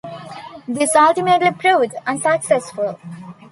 This ultimately proved unsuccessful.